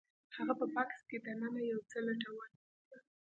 هغه په بکس کې دننه یو څه لټول